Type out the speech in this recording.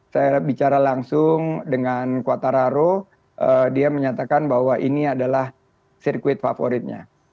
saya bicara langsung dengan quatararo dia menyatakan bahwa ini adalah sirkuit favoritnya